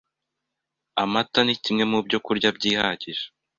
Amata ni kimwe mubyo kurya byihagije